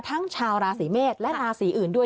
ชาวราศีเมษและราศีอื่นด้วย